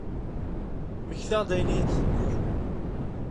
Mmektaɣ-d ayen i iyi-d-tenniḍ.